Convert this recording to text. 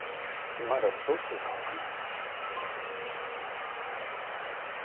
まだどうしていいかわかんなくてさ。